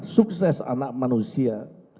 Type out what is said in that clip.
sukses anak manusia